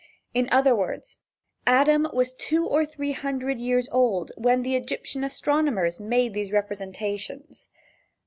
In other words, Adam was two or three hundred years old when the Egyptian astronomers made these representations.